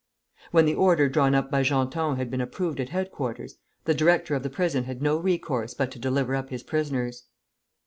] When the order drawn up by Genton had been approved at headquarters, the director of the prison had no resource but to deliver up his prisoners.